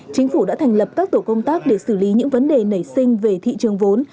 chính phủ đã thành lập các tổ công tác để xử lý những vấn đề nảy sinh về thị trường vốn